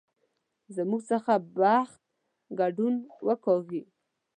زموږ څخه بخت ګردون وکاږي.